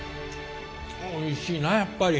おいしいなやっぱり。